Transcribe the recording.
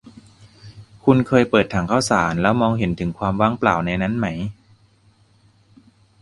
คุณเคยเปิดถังข้าวสารแล้วมองเห็นถึงความว่างเปล่าในนั้นไหม ?